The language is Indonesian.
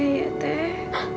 maafin yoga ya teteh